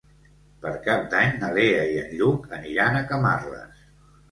Per Cap d'Any na Lea i en Lluc aniran a Camarles.